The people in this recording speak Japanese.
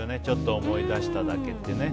「ちょっと思い出しただけ」って。